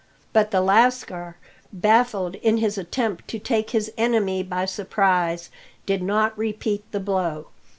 But the lascar, baffled in his attempt to take his enemy by surprise, did not repeat the blow.